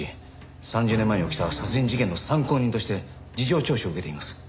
３０年前に起きた殺人事件の参考人として事情聴取を受けています。